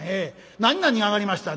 何々上がりました？」。